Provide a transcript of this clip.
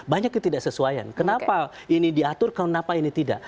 banyak ketidaksesuaian kenapa ini diatur kenapa ini tidak